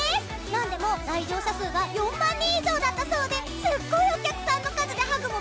なんでも来場者数が４万人以上だったそうですっごいお客さんの数でハグもビックリしました！